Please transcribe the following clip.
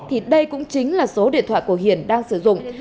trên thực đế thì đây cũng chính là số điện thoại của hiển đang sử dụng